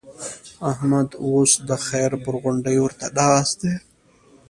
احمد اوس د خير پر غونډۍ ورته ناست دی.